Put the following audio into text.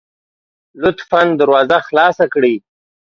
لطفا دروازه خلاصه کړئ